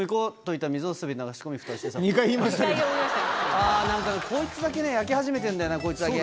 あぁなんかこいつだけね焼け始めてるんだよなこいつだけ。